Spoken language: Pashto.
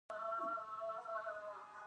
هغه د خوب په سمندر کې د امید څراغ ولید.